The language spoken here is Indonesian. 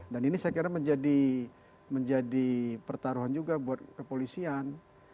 dan ini saya kira menjadi pertaruhan juga buat kepolisian